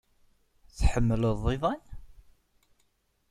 Tḥemmleḍ iḍan?